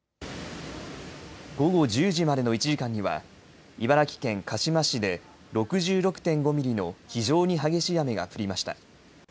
午後１０時までの１時間には茨城県鹿嶋市で６６．５ミリの非常に激しい雨が降りました。